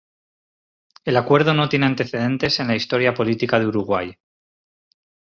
El acuerdo no tiene antecedentes en la historia política de Uruguay.